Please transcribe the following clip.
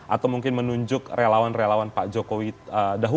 atau mungkin menunjuk relawan relawan pak jokowi